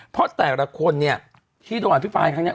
เพราะแต่ละคนเนี่ยที่โดนอภิปรายครั้งนี้